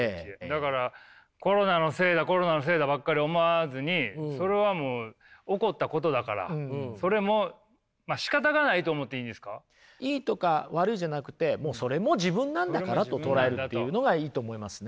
だからコロナのせいだコロナのせいだばっかり思わずにそれはもういいとか悪いじゃなくてもうそれも自分なんだからと捉えるというのがいいと思いますね。